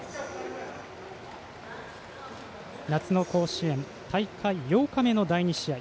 夏の甲子園大会８日目の第２試合。